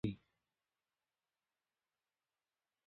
چې ژمي پکښې ډیره واوره اوریږي.